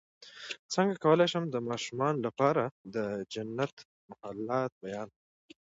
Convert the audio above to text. څنګه کولی شم د ماشومانو لپاره د جنت محلات بیان کړم